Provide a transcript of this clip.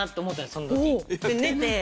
その時。で寝て。